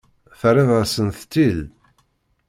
Terriḍ-asent-tt-id?